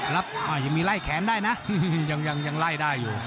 ยังมีไล่แขนได้นะยังไล่ได้อยู่